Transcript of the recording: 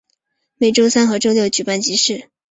每周三和周六举办集市。